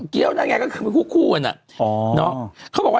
เคลียร์นะครับผม